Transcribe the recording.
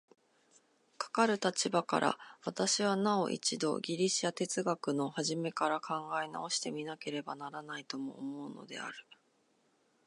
かかる立場から、私はなお一度ギリシヤ哲学の始から考え直して見なければならないとも思うのである。